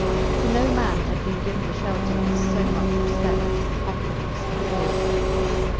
To no man had been given the shelter of so much respect, confidence, and awe.